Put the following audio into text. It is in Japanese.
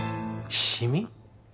シミ？